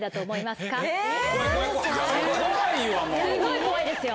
すごい怖いですよ。